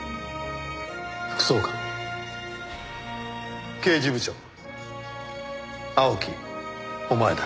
副総監刑事部長青木お前だ。